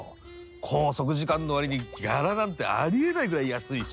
拘束時間の割にギャラなんてありえないぐらい安いし。